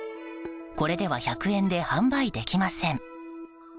これでは１００円で販売できません。